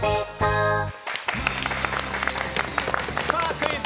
「クイズ！